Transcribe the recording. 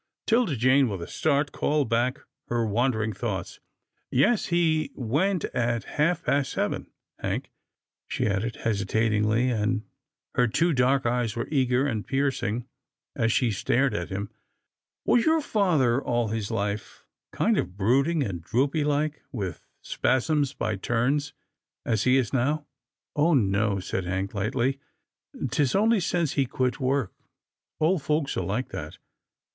'Tilda Jane, with a start, called back her wan dering thoughts. " Yes, he went at half past seven. — Hank," she added, hesitatingly, and her two dark eyes were eager and piercing as she stared at him, " was your father all his life kind of brooding and droopy like, with spasms by turns as he is now ?"" Oh, no," said Hank, lightly, " 'tis only since he quit work. Old folks are like that.